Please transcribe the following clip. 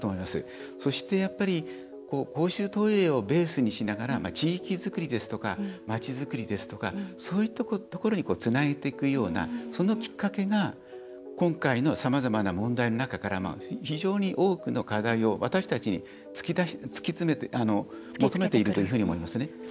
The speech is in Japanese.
そして、やっぱり公衆トイレをベースにしながら地域づくりですとかまちづくりですとかそういったところにつなげていくようなそのきっかけが今回のさまざまな問題の中から非常に多くの課題を私たちに求めていると思いますね。